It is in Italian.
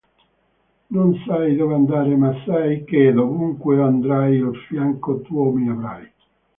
non sai dove andare ma sai che dovunque andrai al fianco tuo mi avrai